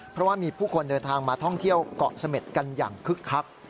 เพราะว่ามีผู้คนเดินทางมาท่องเที่ยวเกาะเสม็ดกันอย่างคึกคัก